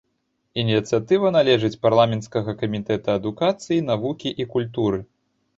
Ініцыятыва належыць парламенцкага камітэта адукацыі, навукі і культуры.